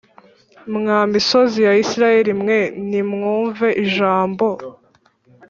Mwa misozi ya Isirayeli mwe nimwumve ijambo